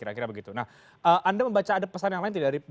anda membaca ada pesan yang lain tidak